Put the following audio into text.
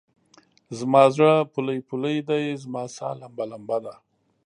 زما زړه پولۍ پولی دی، زما سا لمبه لمبه ده